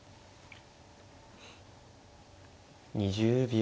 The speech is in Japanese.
２０秒。